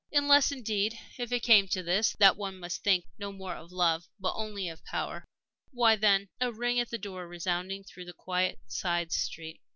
Unless, indeed, if it came to this that one must think no more of love but only of power why, then A ring at the door, resounding through the quiet side street.